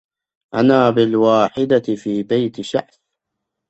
أنا بالوحدة في بيت شعث